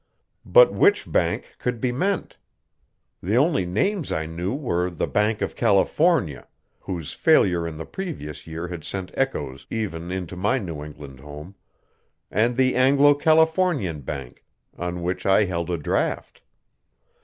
But which bank could be meant? The only names I knew were the Bank of California, whose failure in the previous year had sent echoes even into my New England home, and the Anglo Californian Bank, on which I held a draft.